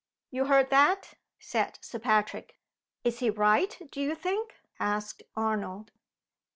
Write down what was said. "You heard that?" said Sir Patrick. "Is he right, do you think?" asked Arnold.